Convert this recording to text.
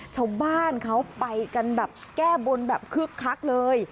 ชาวบ้านเขาไปกันแบบแก้บนแบบคึกคักเลย